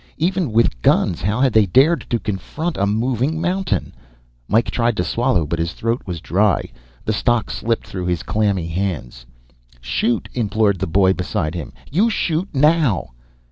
Even with guns, how had they dared to confront a moving mountain? Mike tried to swallow, but his throat was dry. The stock slipped through his clammy hands. "Shoot!" implored the boy beside him. "You shoot, now!"